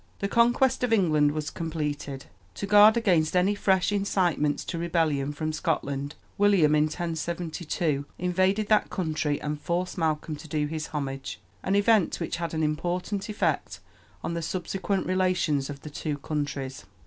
The conquest of England was completed. To guard against any fresh incitements to rebellion from Scotland, William in 1072 invaded that country and forced Malcolm to do him homage an event which had an important effect on the subsequent relations of the two countries.